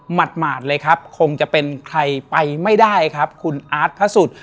หมาดเลยครับคงจะเป็นใครไปไม่ได้ครับคุณอาร์ตพระสุทธิ์